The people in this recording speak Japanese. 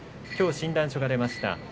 きょう診断書が出ました。